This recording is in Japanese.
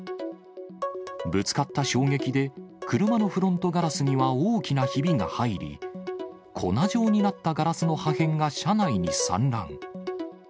ぶつかった衝撃で、車のフロントガラスには大きなひびが入り、粉状になったガラスの破片が車内に散乱。